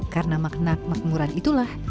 karena makna kemakmuran itulah